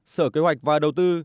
sở kế hoạch và đầu tư